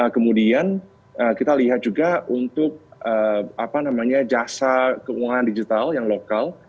kemudian kita lihat juga untuk jasa keuangan digital yang lokal